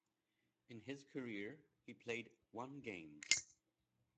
In his career he played one game.